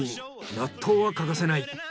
納豆は欠かせない。